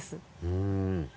うん。